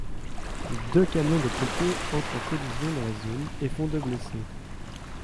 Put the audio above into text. Deux camions de pompiers entrent en collision dans la zone, et font deux blessés.